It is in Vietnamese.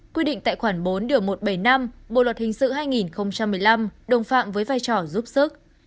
quy định tại khoản bốn điều một trăm bảy mươi năm bộ luật hình sự hai nghìn một mươi năm đồng phạm với vai trò giúp sức